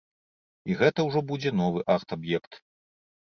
І гэта ўжо будзе новы арт-аб'ект.